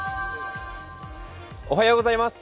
おはようございます。